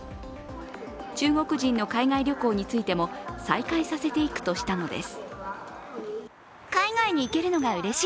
中国人の海外旅行についても再開させていくとしたのです。